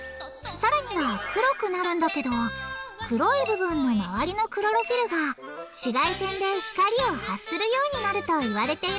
さらには黒くなるんだけど黒い部分のまわりのクロロフィルが紫外線で光を発するようになるといわれているんだ。